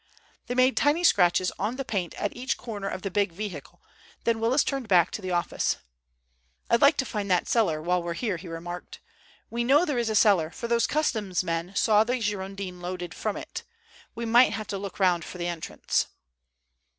They made tiny scratches on the paint at each corner of the big vehicle, then Willis turned back to the office. "I'd like to find that cellar while we're here," he remarked. "We know there is a cellar, for those Customs men saw the Girondin loaded from it. We might have a look round for the entrance."